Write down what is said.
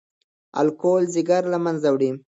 الکول ځیګر له منځه وړي.